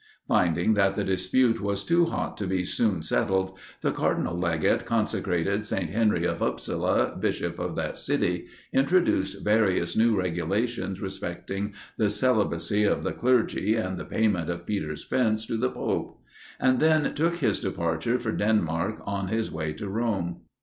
Finding that the dispute was too hot to be soon settled, the Cardinal Legate consecrated St. Henry of Upsala bishop of that city, introduced various new regulations respecting the celibacy of the clergy and the payment of Peter's pence to the pope; and then took his departure for Denmark on his way to Rome.